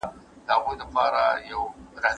باور په ځان باندي یو پیاوړی احساس دی.